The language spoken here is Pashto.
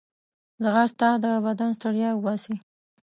ځغاسته د بدن ستړیا وباسي